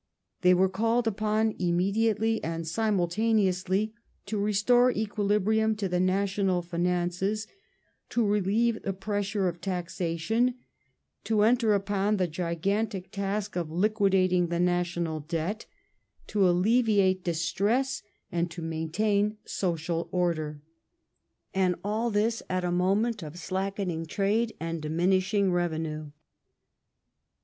They were called upon immediately and simultaneously to restore equilibrium to the national finances ; to relieve the pressure of taxation ; to enter upon the gigantic task of liquidating the national debt ; to alleviate distress and to main tain social oi*der — and all this at a moment of slackening trade and 2 18 PEACE WITHOUT PLENTY [1815 of diminishing revenue.